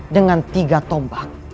dengan tiga tombak